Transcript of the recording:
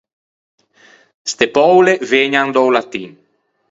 Ste poule vëgnan da-o latin.